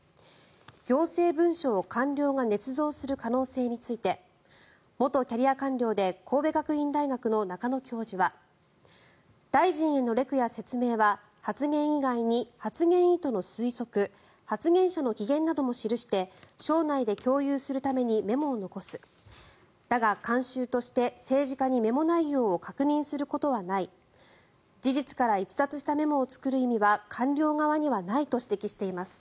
行政文書を官僚がねつ造する可能性について元キャリア官僚で神戸学院大学の中野教授は大臣へのレクや説明は発言以外に発言意図の推測発言者の機嫌なども記して省内で共有するためにメモを残すだが、慣習として政治家にメモ内容を確認することはない事実から逸脱したメモを作る意味は官僚側にはないと指摘しています。